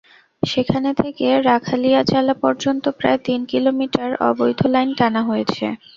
সেখান থেকে রাখালিয়াচালা পর্যন্ত প্রায় তিন কিলোমিটার অবৈধ লাইন টানা হয়েছে।